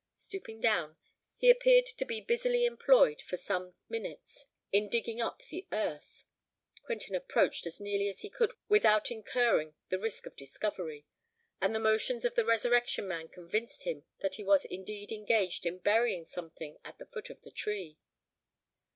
Stooping down, he appeared to be busily employed for some minutes in digging up the earth. Quentin approached as nearly as he could without incurring the risk of discovery; and the motions of the Resurrection Man convinced him that he was indeed engaged in burying something at the foot of the tree.